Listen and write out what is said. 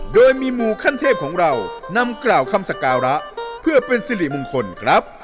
โดยมีหมู่ขั้นเทพของเรานำกล่าวคำสการะเพื่อเป็นสิริมงคลครับ